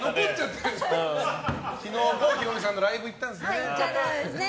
昨日郷ひろみさんのライブ行ったんですね。